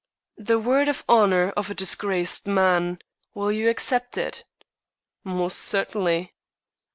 "The word of honor of a disgraced man! Will you accept it?" "Most certainly."